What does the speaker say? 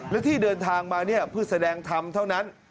และที่เดินทางมาเนี่ยเพื่อแสดงธรรมเท่านั้น